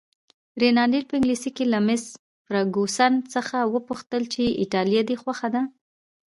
رینالډي په انګلیسي کې له مس فرګوسن څخه وپوښتل چې ایټالیه دې خوښه ده؟